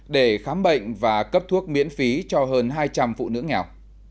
để khám bệnh và cấp thuốc miễn phí cho hơn hai trăm linh phụ nữ nghèo